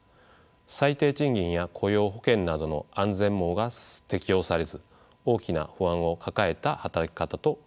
最低賃金や雇用保険などの安全網が適用されず大きな不安を抱えた働き方といえます。